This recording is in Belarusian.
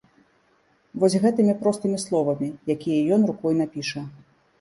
Вось гэтымі простымі словамі, якія ён рукой напіша.